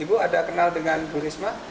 ibu ada kenal dengan bu risma